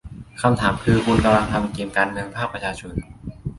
คำถามคือคุณกำลังทำเกมการเมืองภาคประชาชน